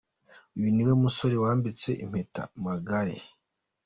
Uyu niwe musore wambitse impeta Magaly.